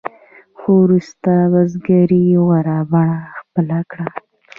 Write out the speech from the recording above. خو وروسته بزګرۍ غوره بڼه خپله کړه.